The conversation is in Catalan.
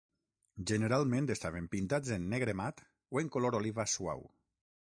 Generalment estaven pintats en negre mat o en color oliva suau.